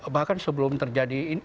bahkan sebelum terjadi